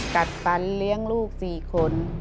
กัดฟันเลี้ยงลูก๔คน